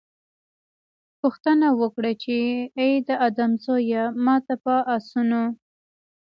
پوښتنه وکړي چې اې د آدم زويه! ما ته په آسونو